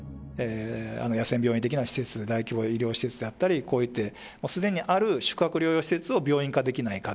野戦病院的な施設、大規模医療施設であったり、こういったすでにある宿泊療養施設を病院化できないか。